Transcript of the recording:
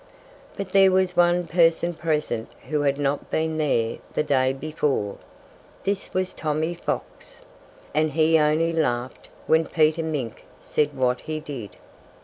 But there was one person present who had not been there the day before. This was Tommy Fox. And he only laughed when Peter Mink said what he did.